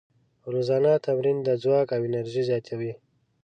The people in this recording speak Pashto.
روزانه تمرین د ځواک او انرژۍ زیاتوي.